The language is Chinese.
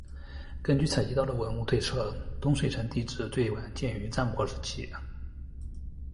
根据采集到的文物推测东水地城址最晚建于战国时期。